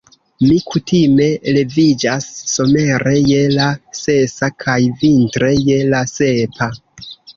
Mi kutime leviĝas somere je la sesa kaj vintre je la sepa.